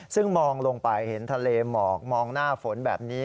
ซึ่งมองลงไปเห็นทะเลหมอกมองหน้าฝนแบบนี้